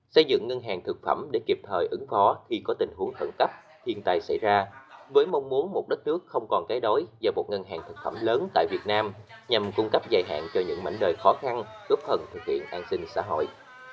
xây dựng ngân hàng thực phẩm để kịp thời ứng phó khi có tình huống khẩn cấp thiên tai xảy ra với mong muốn một đất nước không còn cái đói vào một ngân hàng thực phẩm lớn tại việt nam nhằm cung cấp dài hạn cho những mảnh đời khó khăn góp phần thực hiện an sinh xã hội